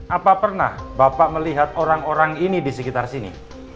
apa pernah bapak melihat orang orang ini disekitar sini